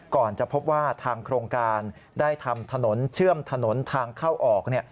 ก่อนจะพบว่าทางโครงการได้ทำถนนเชื่อมถนนทางเข้าออก